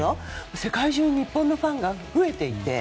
世界中に日本のファンが増えていって。